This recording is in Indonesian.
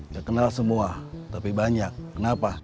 ya kenal semua tapi banyak kenapa